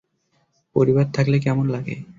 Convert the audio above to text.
পরিবার থাকলে কেমন লাগে।